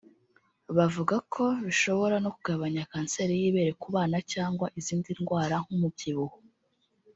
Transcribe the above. Bavuga ko bishobora no kugabanya kanseri y’ibere ku bana cyangwa izindi ndwara nk’umubyibuho